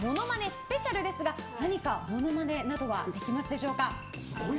スペシャルですが何かモノマネはできますでしょうか？